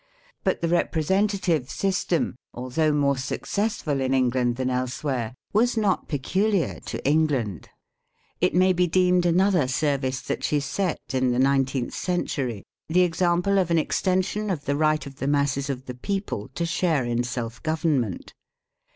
But the representative system, although more successful in England than elsewhere, was not peculiar to England. It may be deemed another service that she set, in the nineteenth century, the example of an extension of the right of the masses of the people to share in self government.